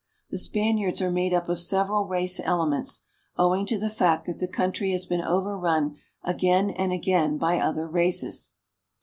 The Spaniards are made up of several race ele ments, owing to the fact that the country has been overrun again and again by other races.